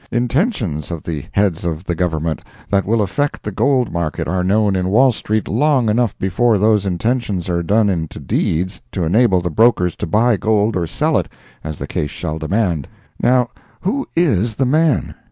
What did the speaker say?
Intentions of the heads of the Government that will affect the gold market are known in Wall street long enough before those intentions are done into deeds to enable the brokers to buy gold or sell it, as the case shall demand. Now, who is the man?